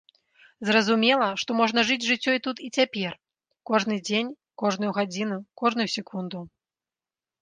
Зразумела, што можна жыць жыццё тут і цяпер, кожны дзень, кожную гадзіну, кожную секунду.